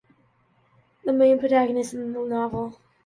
The main protagonist in the novel.